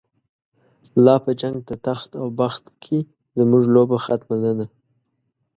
لا په جنگ د تخت او بخت کی، زمونږ لوبه ختمه نده